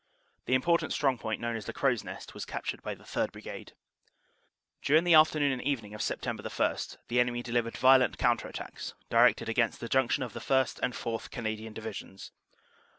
The important strong point known as the Crow s Nest was captured by the 3rd. Brigade. "During the afternoon and evening of Sept. 1 the enemy delivered violent counter attacks, directed against the junc tion of the 1st. and 4th. Canadian Divisions.